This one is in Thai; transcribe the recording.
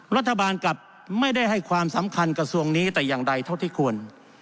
รัฐบาลกลับไม่ได้ให้ความสำคัญกระทรวงนี้แต่อย่างใดเท่าที่ควร